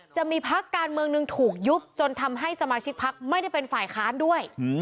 จะมีพักการเมืองหนึ่งถูกยุบจนทำให้สมาชิกพักไม่ได้เป็นฝ่ายค้านด้วย